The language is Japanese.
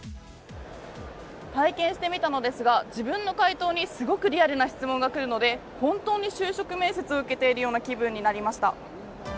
体験してみたのですが自分の回答にすごくリアルな質問が来るので本当に就職面接を受けているような気分になりました。